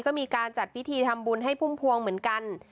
ก็มีการจัดพิธีทำบุญให้พุ่มพวงเหมือนกัน